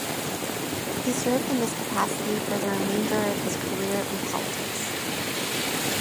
He served in this capacity for the remainder of his career in politics.